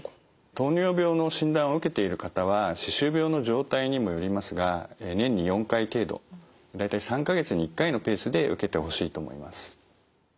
糖尿病の診断を受けている方は歯周病の状態にもよりますが年に４回程度大体３か月に１回のペースで受けてほしいと思います。